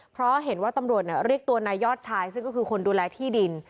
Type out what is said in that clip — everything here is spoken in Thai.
เพราะเห็นว่าตำรวจเรียกตัวนายยอดชายซึ่งก็คือคนดูแลที่ดิน